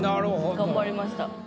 頑張りました。